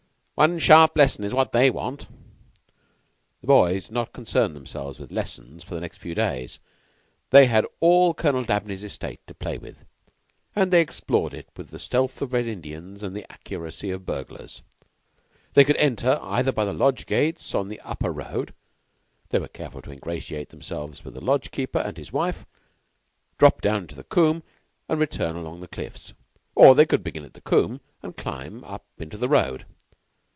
One sharp lesson is what they want." The boys did not concern themselves with lessons for the next few days. They had all Colonel Dabney's estate to play with, and they explored it with the stealth of Red Indians and the accuracy of burglars. They could enter either by the Lodge gates on the upper road they were careful to ingratiate themselves with the Lodge keeper and his wife drop down into the combe, and return along the cliffs; or they could begin at the combe and climb up into the road.